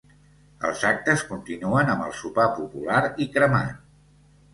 Els actes continuen amb el sopar popular i cremat.